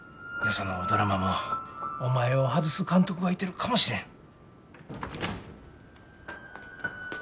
よそのドラマもお前を外す監督がいてるかもしれん。